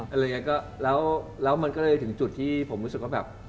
อะไรอย่างนี้ก็แล้วมันก็เลยถึงจุดที่ผมรู้สึกว่าแบบ